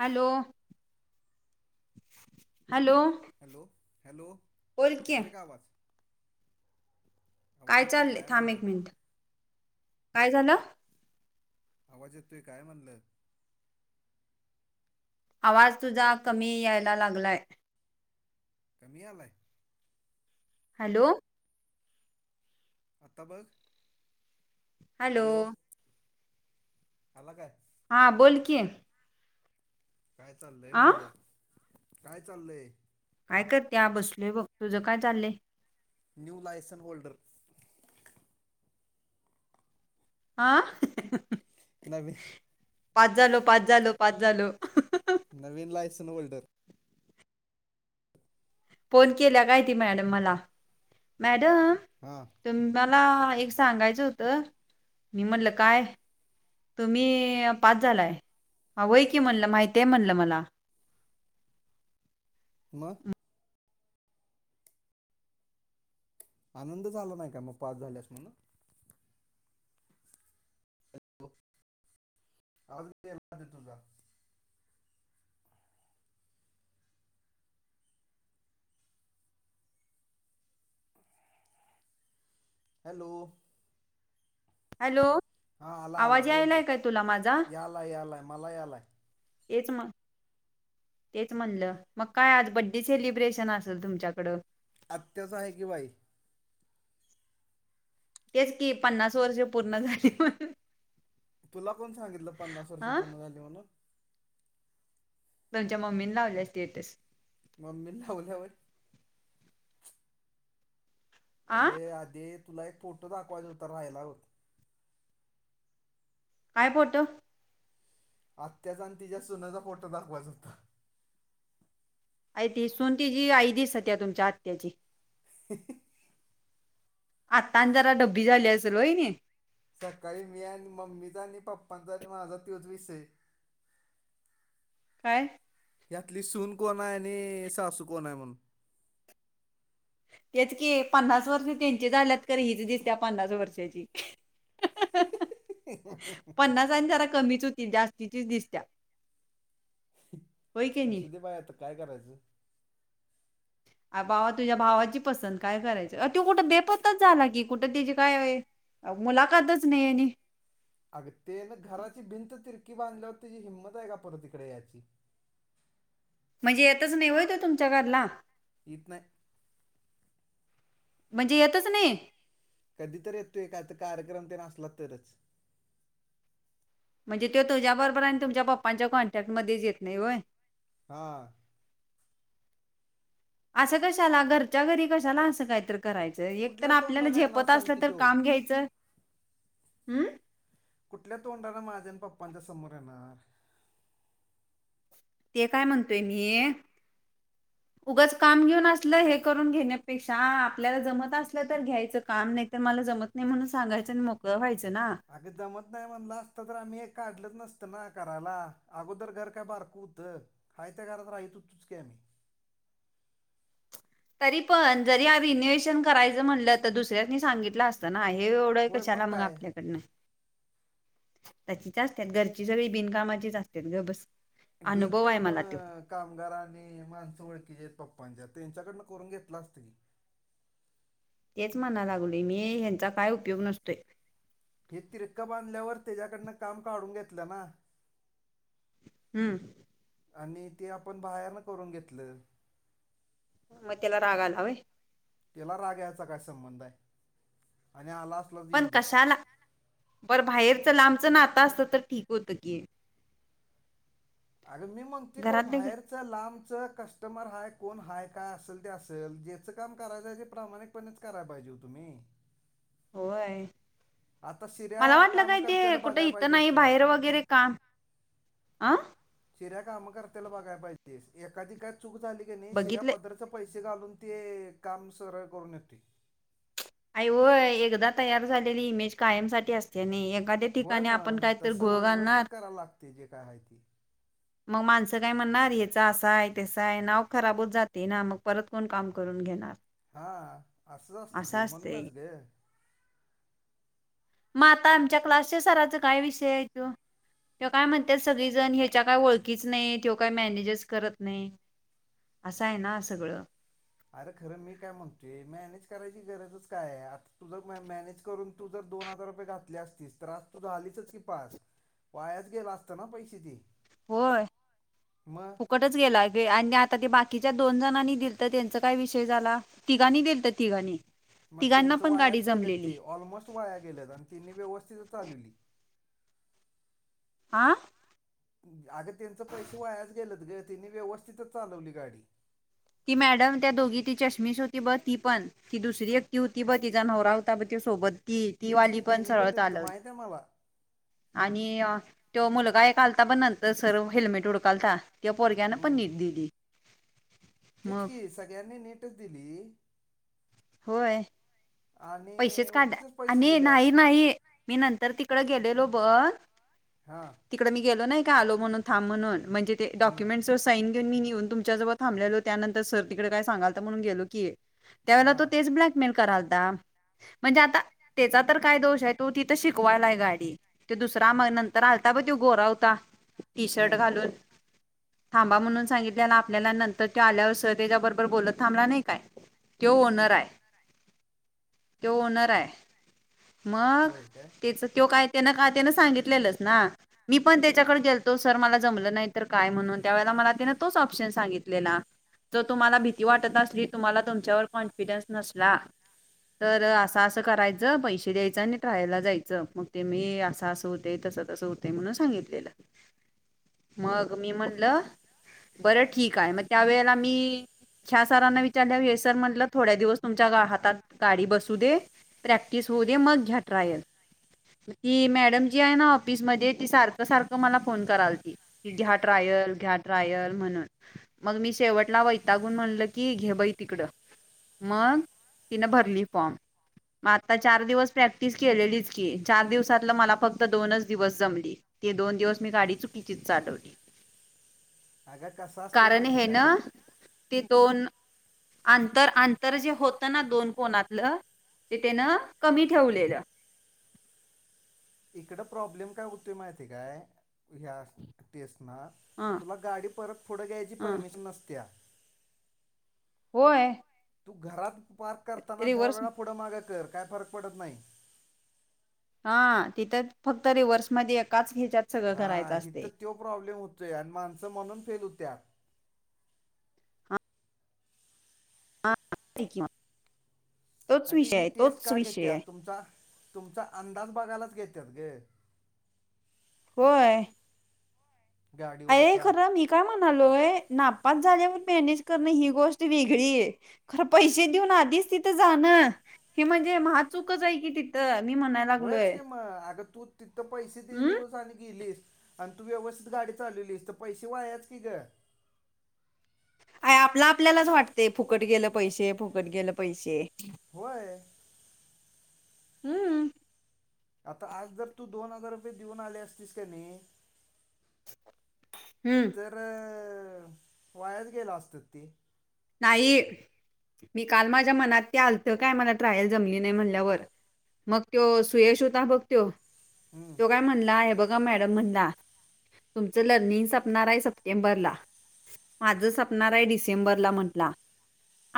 Hello! Hello! Hello hello बोल की येतोय का आवाज? आवाज काय येतोय चाललय थांब म्हणलं एक मिनिट काय झालं? आवाज येतोय काय म्हणलं? आवाज तुझा कमी यायला लागलाय. कमी यायलाय. हॅलो! आता बघ हॅलो. आला काय? हां बोल की. काय चाललय? आ म्हणल काय चाललय? काय करत्या बसलोय बघ तुझं काय चाललंय? New license holder. आ. [unintelligible] पाच झालो पाच झालो पाच झालो. नवीन लायसन होल्डर. फोन केल्या काय ती मॅडम मला मॅडम.. हां तर मला एक सांगायचं होतं. मी म्हटलं काय? तुम्ही पाच झालाय, व्हय की म्हणलं माहिती आहे म्हणलं मला. मग आनंद झाला नाही का, मग पास झाल्यास म्हणून? [unintelligible] आवाज [unintelligible] नाही तुझा. हॅलो. हॅलो. हा आला आला आवाज बोल बोल. यायलाय काय तुला माझा यालाय यालाय मला यालाय. हेच मग तेच म्हणलं. मग काय आज बड्डे सेलिब्रेशन असल तुमच्याकडं. आत्याच हाय की बाई. तेच की पन्नास वर्ष पूर्ण झाली म्हणून. तुला कोण सांगितलं, पन्नास वर्ष हा पूर्ण झाली म्हणून? त्यांच्या मम्मीनं लावल्याली स्टेटस. मम्मीनं लावल्या होय? आ अगे आधी तुला एक फोटो दाखवायचा होता राहीला बघ. हाय फोटो. आत्याचा आणि तिच्या सुनचा फोटो दाखवायचा होता. हाय ती सून तीजी आई दिसत्या तुमच्या आत्याची. [unintelligible] आता आणि जरा ढब्बी झाली असेल होय नाही? सकाळी मी आणि मम्मीचा आणि पप्पांचा आणि माझा तोच विषय. काय? यातली सून कोण आहे आणि सासू कोण आहे म्हणून. तेचकी पन्नास वर्ष त्यांचे झाल्यात, खरं हीच दिसत्या पन्नास वर्षाची. पन्नास आणि जरा कमीच होतील जास्तीचीच दिसत्या. होय की नी असू दे बाय, आता काय करायचं? अ बावा तुझ्या भावाची पसंत काय करायच. अ त्यो कुठं बेपत्ताच झाला की, कुठं तीची काय अ मुलाखातच नाही आणि. अग ते ना घराची भिंत तिरकी बांधल्यावर, तेजी हिंमत हाय का परत इकड याची. म्हणजे येतच नाही होय तो तुमच्या घरला? इत नाही. म्हणजे येतच नाही? कधीतरी येतोय कार्यक्रम तेन असला तरच. म्हणजे तो तुझ्या बरोबर आणि तुमच्या पप्पांच्या कॉन्टॅक्टमध्येच येत नाही होय? हा. असं कशाला, घरच्या घरी कशाला असं कायतर करायचं. एक तर कुठल्या आपल्याला तोंडाने येणार झेपत सांग की असलं तर त्यो. काम घ्यायचं. हम्म. कुठल्या तोंडानं माझ्या आणि पप्पांच्या समोर येणार. ते काय म्हणतोय मी उगंच काम घेऊन असलं हे करून घेण्यापेक्षा, आपल्याला जमत असलं तर घ्यायचं काम. नाही तर मला जमत नाही म्हणून सांगायचं आणि मोकळं व्हायचं ना. अगं जमत नाही म्हणलं असत तर आम्ही हे काढलच नसतं ना करायला. अगोदर घर काय बारकं हुतं? हाय त्या घरात राहत हुतोच की आम्ही. तरीपण जरी आम्ही रिनोव्हेशन करायचं म्हटलं, तर दुसऱ्यांनी सांगितलं अस ना हे एवढं, होय कशाला मग काय आपल्याकडनं? तशीच असतात, घरची सगळी बिनकामाचीच असत्यात गप बस. ढीक अनुभव का आहे मला तो मग? कामगार आणि माणसं ओळखीचे आहेत पप्पांच्या त्यांच्याकडन करून घेतला असतं की. तेच म्हणा लागलोय मी ह्यांचा काय उपयोग नसतोय. हे तिरकं बांधल्यावर त्याच्याकडनं काम काढून घेतलं ना. हम्म. आणि ते आपण बाहेरनं करून घेतलं. मग त्याला राग आला होय? तिला राग यायचा काय संबंध आहे आणि आला असलाच पण येऊ दे कशाला पर बाहेरच लांबचं ना आता असतं तर ठीक होतं की. अगं मी मंगतेकर घरात नाही का बाहेर लांबच कस्टमर हाय, कोण हाय काय असेल ते असे. ज्याच काम करायचं ते प्रमाणिक पणच करायला पाहिजे हो तुम्ही. होयं. आता मला शिऱ्या वाटलं काय ते कामकर्त्याला कुठे बघायला इथं पाहिजेस नाही तू बाहेर वगैरे काम आं चिऱ्या काम करतेला बघाय पाहिजे एखादी काय चूक झाली की नाही शिऱ्या बघितलं पदरचा पैसे घालून ते काम सगळं करून येते. आई होय एकदा तयार झालेली इमेज कायमसाठी असते नी एक होय मग तसं व्यवस्थित करायला लागतंय जे काय आहे ते. [inaudible] मग माणसं काय म्हणणार याच असा आहे तसं आहे नाव खराबच जाते ना, मग परत कोण काम करून घेणार. हा. असा असते. म आता आमच्या क्लासच्या सराचा काय विषय आहे तो? त्यो काय म्हणतात सगळीजण ह्याच्या काय ओळखीचं नाही, त्यो काय मॅनेजच करत नाही. असं आहे ना सगळं. अरे खरं मी काय म्हणतोय मॅनेज करायची गरजच काय आता तुझ मै मॅनेज करून तू जर दोन हजार ररुपये घातले असतीस तर आज तू झालीसच की पास. वायाच गेला असत ना पैशे ती म. कटच गेला गे आणि आता ते बाकीच्या दोन जणांनी दिलता त्यांचा काय विषय झाला? तिघानी देलते तिघानी. मग त्यांचं वायाच गेलेत ते ऑलमोस्ट वाया गेलेत आणि त्यांनी व्यवस्थितच चालवली. आ? अगं त्यांच पैशे वायाच गेलत गं त्यांनी व्यवस्थितच चालवली गाडी. ती मॅडम त्या दोघी ती चष्मीस होती ब ती पण ती दुसरी एकटी होती बघ तिचा नवरा होता बघ तिच्या सोबत ती ती तेच की वाली पण त्यांनी सरळ दिलं चालवलं. माहित आहे मला आणि तो मुलगा एकालता ब नंतर सर हेल्मेट उडकालता. त्यो पोरग्यानं पण हम्म नीट दिली. मग तेच कि सगळ्यांनी नीटच दिली. होय. आणि पैसशेच काढाल्या उगीचच पैसे आणि दिल्यात नाही-नाही मी नंतर तिकडं गेलेलो ब हा. तिकडे मी गेलो नाही का आलो म्हणून थांब म्हणून म्हणजे ते हं. डोकमेंट्स च साईन घेऊन मी येऊन तुमच्या जवळ थांबलेलो त्यानंतर सर तिकडे का सांगाल तर म्हणून गेलो की. त्यावेळेला तो हां. तेच ब्लॅकमेल करालता. म्हणजे आता त्याचा तर काय दोष आहे तो तिथं शिकवायला आहे गाडी ते दुसरा मग नंतर आलता बघ तो गोरा होता टी शर्ट हं. घालून. थांबा म्हणून सांगितलेला आपल्याला नंतर तो आल्यावर सर त्याच्या बरोबर बोलत थांबला नाही काय. त्यो तेच की. ओनर आहे. तो ओनर आहे मग होय काय? त्याचा त्यो काय त्यांनां का त्यान सांगितलेलंस ना. मी पण त्याच्याकडे गेलतो सर मला जमलं नाही तर काय म्हणून त्यावेेळेला मला तिने तोच ऑप्शन सांगितलेला. तर तुम्हाला भीती वाटत असली तुम्हाला तुमच्यावर कॉन्फिडन्स नसला तर असं असं करायचं पैसे द्यायचं आणि ट्रायला जायचं मग ते मी असं असं होते तसं तसं होत ते म्हणून सांगितलेलं मग मी म्हणल बरं ठीक आहे मग त्या वेळेला मी ह्या सरांना विचारल्यावर हे सर म्हटलं थोड्या दिवस तुमच्या गा हातात. गाडी बसू दे प्रॅक्टिस होऊ दे मग घ्या ट्रायल. ती मॅडम जी आहे ना ऑफिसमध्ये ती सारखं सारखं मला फोन करालती. कि घ्या ट्रायल घ्या ट्रायल म्हणून. मग मी शेवटला वैतागून म्हणलं की घे बाई तिकडं मग तिनं भरली फॉर्म. मग आता चार दिवस प्रॅक्टिस केलेलीच की, चार दिवसातलं मला फक्त दोनच दिवस जमली. ते दोन दिवस मी गाडी चुकीचीच चालवली. अगं कसं असतंय कारण माहिती आहे हे ना काय? ते दोन आंतर आंतर जे होत त ना दोन कोणातलं ते त्यानं कमी ठेवलेलं. इकड प्रॉब्लेम काय होतो माहिती काय ह्या टेसना ह तुला गाडी परत पुढं घ्यायची ह परमिशन नसत्या. होय. तू घरात पार्क करताना दहा रिव्हर्स वेळा पुढं मागे कर काय फरक पडत नाही. हा तिथं फक्त रिव्हर्स मध्ये एकाच हेच्यात हा हित तो प्रॉब्लेम होतोय आणि माणसं म्हणून फेल होत्यात. ते किवा [unintelligible] आणि ही टेस्ट का विषय घेत्यात आहे तुमचा तुमचा अंदाज बघायलाच घेत्यात इ. होय. अरे गाडीवरचा खरं मी काय म्हणालोय नापास झाल्यावर मॅनेज करणं ही गोष्ट वेगळी आहे. खर पैसे देऊन आधीच तिथं जाणं हे म्हणजे महा चुकच आहे की तिथ. तर मी म्हणा होयच कि मग अग तू तिथं पैसे हम् दिलीऊस आणि गेलीस. आणि तू व्यवस्थित गाडी चालवलेलीस तर पैसे वायाच की ग. काय आपला आपल्यालाच वाटते फुकट गेलं पैसे फुकट गेलं पैसे. होय. हम्म आता आज जर तू दोन हजार रुपये देऊन आले असतीस का नाही हम्म. तर वायाच गेला असतं ते. नाही मी काल माझ्या मनात ते आलतं काय मला ट्रायल जमली नाही म्हणल्यावर. मग तो सुयश होता बघतो हम्म, तो काय म्हणला हे बघ बघा मॅडम म्हण तुमचं लर्निंग संपणार आहे सप्टेंबर ला. माझं सपणार आहे डिसेंबरला म्हण- ला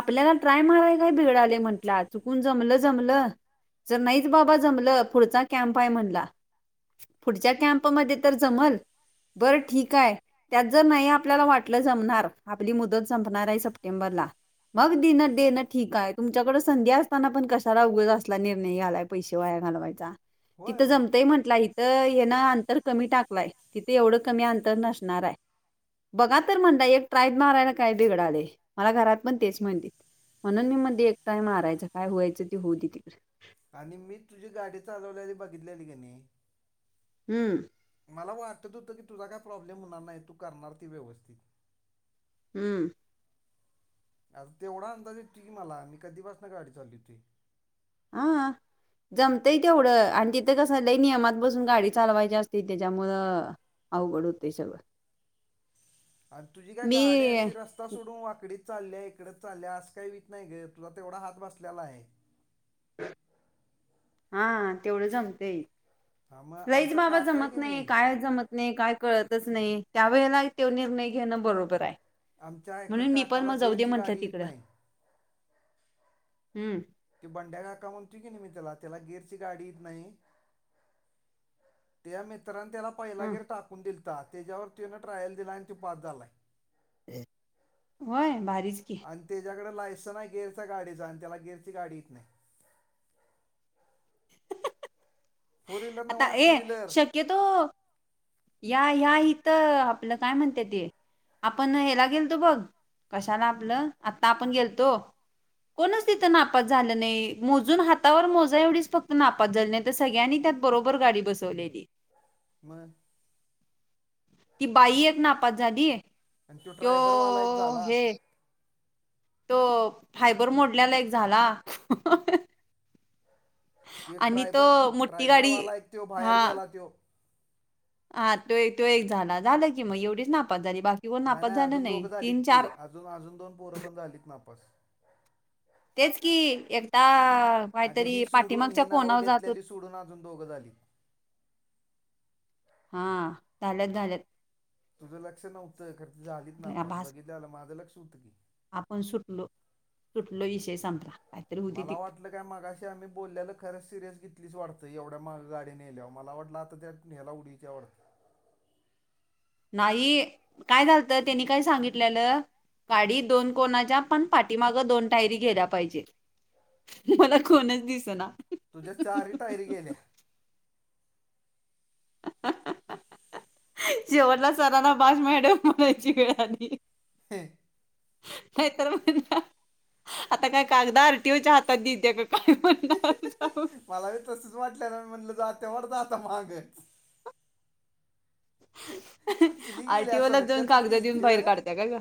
आपल्याला ट्राय माराय काय बिघडाले म्हंटलं चुकून जमलं जमलं. जर नाहीच बाबा जमलं पुढचा कॅम्प आहे म्हणला. पुढच्या कॅम्पमध्ये तर जमल. बरं ठीक आहे त्यात जर नाही आपल्याला वाटलं जमणार आपली मुदत संपणार आहे सप टेंबर ला. मग दिणं देणं ठीक आहे तुमच्याकडे संधी असताना पण कशाला उगच कशाला असला निर्णय घ्यालाय. पैसे वाया घालवायचा च तिथ होय जमते म्हंटला इत- तर ये ना अंतर कमी टाकलाय तीथ एवढं कमी अंतर नसणार आहे. बघा तर म्हंटला एक ट्राईब मारायला काय बिघडालय. मला घरात पण तेच म्हणतीत म्हणून मी म्हणते एक टाइम मारायच काय होयचं ते होऊ दे तिकड. आणि मी तुझी गाडी चालवल्याली बघितल्याली की नई? हम्म. मला वाटत होतं की तुझा काय प्रॉब्लेम होणार नाही तू करणार ती व्यवस्थित. हम्म. आज तेवढा अंदाज येतोय मला मी कधीपासन गाडी चालवितोय. आ. जमतंय तेवढं आणि तिथं कसं लई नियमात बसून गाडी चालवायची असते त्याच्यामुळं. अवघड होतंय सगळ. आणि तुझी काय गाडी अशी रस आता सोडून वाकडीत चालल्या इकडेच चालल्या असं काही वित नाही ग तुला तेवढा हात बसलेला हाय. हा तेवढं जमतय हा मग लईच आमचा बाबा काका आहे जमत की नाही कायच जमत नई काय कळतच नई त्यावेेळेला त्यो निर्णय घेणं बरोबर हाय. आमच्या एका म्हणून मी पण काकाला म जाऊ दे गेअरची म्हटलं गाडी येत तिकडं नाही हम्म. ती बंड्या काका म्हणतोय की नई मी त्याला त्याला गेरची गाडीे येत नई. त्या मित्रांने त्याला पहिला गेर हम्म टाकून दिलता त्याच्यावर तिनं ट्रायल दिला आणि त्यो पास झालाय. व्हय भारीच की. आणि त्याच्याकडे लायसन आहे गेअरचा गाडीचा आणि त्याला गेअरची गाडी येत नाही. फोर व्हीलर आता नव्हा ऐ टू व्हीलर शक्यतो. या ह्या इथं आपलं काय म्हणत्या ते. आपण ह्याला गेलतो बघ कशाला आपलं आता आपण गेलतो. कोणच तिथं नापास झालं नई मोजून हातावर मोजा एवढीच फक्त नापास झाली नायतर सगळ्यांनी त्यात बरोबर गाडी बसवलेली. म. ती बाई एक नापास झाली आणि तो त्यो ड्रायबरवाला एक झाला हे. तो फायबर मोडल्याला एक झाला. ते आणि तो ट्रायबर मोठी गाडी ट्रायबरवाला त्यो हा बाहेर गेला त्यो. हा त्यो त्या एक झाला झाला की मग एवढीच नापास झाली बाक नाय नाय अजून दोघं झालीत की अजून अजून दोन पोरं पण झालीत नापास. तेच की एकदा. अगं काहीतरी ही सोडून पाठीमागच्या ही नावं कोणावर जात होत घेतलेली सोडून अजून दोघं झाली. हा झाल्यात झाल्यात. तुझं लक्ष नव्हतं खर तिझ आधीच भया नापस भास बघितल्याल माझं लक्ष होतं की. आपण सुटलो सुटलो इषय संपला. काहीतरी होती मला ती वाटलं काय मागाशी आम्ही बोलल्याल खरच सिरियस घेतलीस वाटतं एवढ्या माग गाडी नेल्यावर मला वाटलं आता त्या नेहला उडीचा वाटतं. नाही काय झालत त्यांनी काय सांगितलेलं. गाडी दोन कोणाच्या पण पाठीमागं दोन टायरी गेल्या पाहिजेत. मला कोणच दिस ना. तुझ्या चारी. टायरी गेल्या. [unintelligible] शेवटला सरांना बास मॅडम म्हणायची वेळ आली. हे. नाही तर म्हणा. आता काय कागदा आर्टिओच्या हातात देत्या का काय म्हणला आमचा भाऊ मला बी तसच वाटलेला म्हटलं जात्या वाटतं आता माग. कसली गेल्या आरटीओलाच जाऊन संकतच कागद देऊन गेलती बाहेर ग. काढत्या का